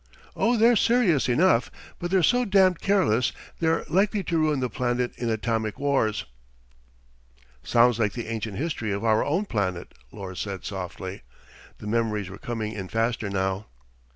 Oh, they're serious enough, but they're so damned careless they're likely to ruin the planet in atomic wars..." "Sounds like the ancient history of our own planet," Lors said softly. The memories were coming in faster now.